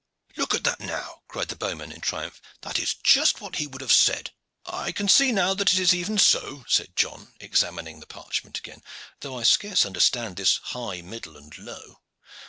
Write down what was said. "Look at that now!" cried the bowman in triumph. "That is just what he would have said." "I can see now that it is even so," said John, examining the parchment again. "Though I scarce understand this high, middle and low."